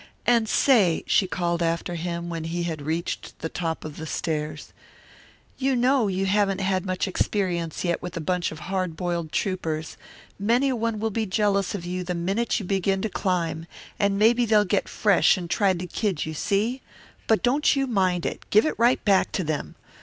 "And say," she called after him when he had reached the top of the stairs, "you know you haven't had much experience yet with a bunch of hard boiled troupers; many a one will be jealous of you the minute you begin to climb, and maybe they'll get fresh and try to kid you, see? But don't you mind it give it right back to them.